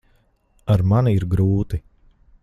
Ar mani ir grūti.